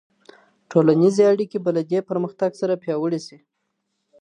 ټولنیزې اړیکې به له دې پرمختګ سره پیاوړې سي.